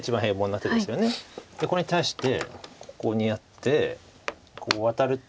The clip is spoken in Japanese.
これに対してここにやってこうワタると。